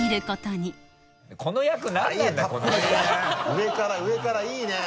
上から上からいいね！